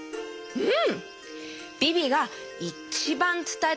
うん！